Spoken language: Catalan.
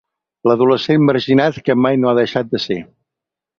L'adolescent marginat que mai no ha deixat de ser.